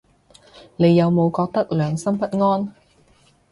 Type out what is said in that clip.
你有冇覺得良心不安